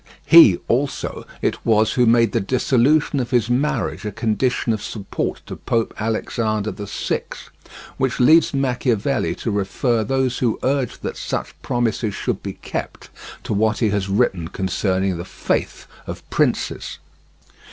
He, also, it was who made the dissolution of his marriage a condition of support to Pope Alexander VI; which leads Machiavelli to refer those who urge that such promises should be kept to what he has written concerning the faith of princes.